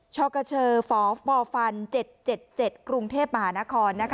ช่อกเชอร์ฟฟฟัน๗๗๗กรุงเทพฯมหานครนะคะ